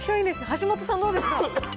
橋本さん、どうですか？